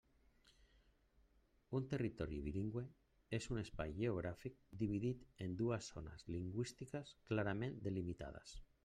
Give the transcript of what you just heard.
Un territori bilingüe és un espai geogràfic dividit en dues zones lingüístiques clarament delimitades.